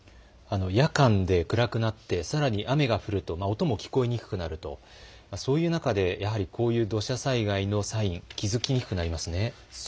夜間で暗くなってさらに雨が降ると音も聞こえにくくなると、そういう中で、やはりこういう土砂災害のサインに気付きにくくなりますね。